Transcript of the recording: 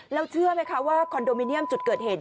แล้วเชื่อไหมคะว่าคอนโดมิเนียมจุดเกิดเหตุ